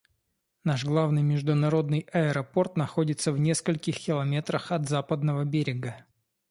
Наш главный международный аэропорт находится в нескольких километрах от Западного берега.